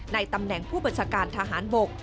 ตำแหน่งผู้บัญชาการทหารบก